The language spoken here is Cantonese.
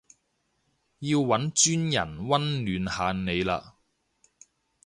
要搵專人溫暖下你嘞